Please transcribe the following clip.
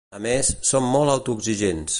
A més, som molt autoexigents.